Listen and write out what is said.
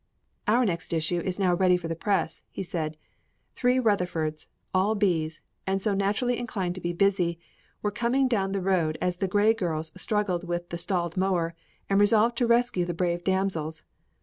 "Our next issue is now ready for the press," he said. "The three Rutherfords all B's, and so naturally inclined to be busy were coming down the road as the Grey girls struggled with the stalled mower, and resolved to rescue the brave damsels.